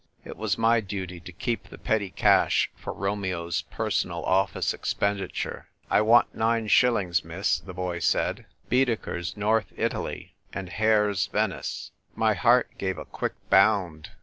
It was my duty to keep the petty cash for Romeo's personal office expenditure. " I want nine shillings, miss," the boy said ; "Baedeker's 'North Italy' and Hare's 'Venice.'" My heart gave a quick bound.